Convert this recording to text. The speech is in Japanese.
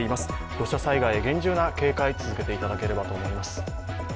土砂災害に厳重な警戒を続けていだければと思います。